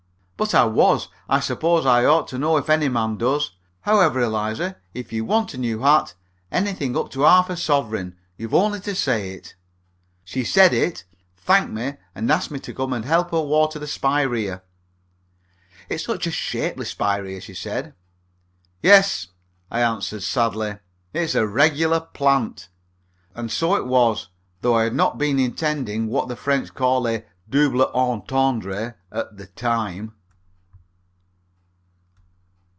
"But I was. I suppose I ought to know if any man does. However, Eliza, if you want a new hat, anything up to half a sovereign, you've only to say it." She said it, thanked me, and asked me to come and help her water the spiraea. "It's such a shapely spiraea," she said. "Yes," I answered sadly, "it's a regular plant." And so it was, though I had not been intending what the French call a double entendre at the time.